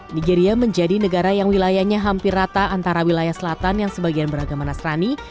nigeria menjadi negara yang wilayahnya hampir rata antara wilayah selatan yang sebagian beragama nasrani